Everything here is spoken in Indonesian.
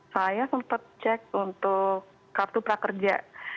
saya sempat cek untuk kartu prakerja